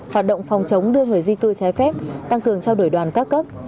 hoạt động phòng chống đưa người di cư trái phép tăng cường trao đổi đoàn các cấp